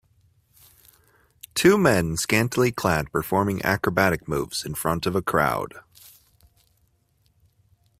Two men scantily clad performing acrobatic moves in front of a crowd